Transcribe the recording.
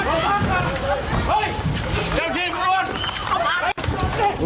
นี่นี่นี่นี่นี่นี่นี่นี่